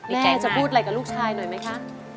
แม่จะพูดอะไรกับลูกชายหน่อยไหมคะ